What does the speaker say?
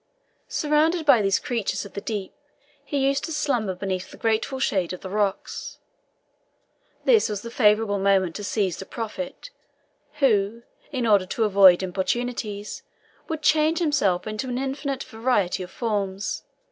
Surrounded by these creatures of the deep, he used to slumber beneath the grateful shade of the rocks. This was the favourable moment to seize the prophet, who, in order to avoid importunities, would change himself into an infinite variety of forms.